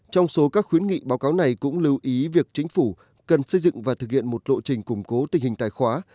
trong số các khuyến nghị báo cáo này cũng lưu ý việc chính phủ cần xây dựng và thực hiện một lộ trình củng cố tình hình tài khóa